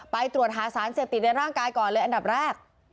ไปตรวจหาสารเสียติดในร่างกายก่อนนัดหน้าหนึ่ง